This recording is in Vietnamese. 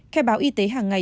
khe báo y tế hàng ngày